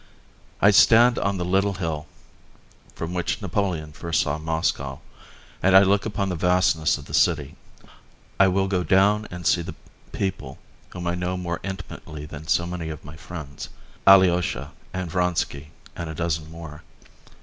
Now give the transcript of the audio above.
I stand on the little hill from which Napoleon first saw Moscow and I look upon the vastness of the city. I will go down and see the people whom I know more intimately than so many of my friends, Alyosha, and Vronsky, and a dozen more.